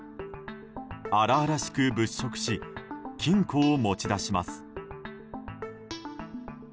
荒々しく物色し金庫を持ち出します。